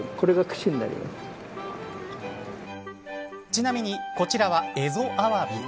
ちなみにこちらは蝦夷アワビ。